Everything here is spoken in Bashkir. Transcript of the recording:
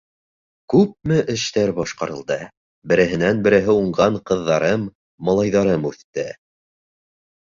Күпме эштәр башҡарылды, береһенән-береһе уңған ҡыҙҙарым, малайҙарым үҫте.